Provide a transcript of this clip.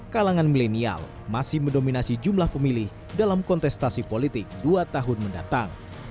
kalangan milenial masih mendominasi jumlah pemilih dalam kontestasi politik dua tahun mendatang